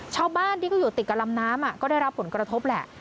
ชาวบ้านที่ก็อยู่ติดกับลำน้ำก็ได้รับผลกระทบแหละ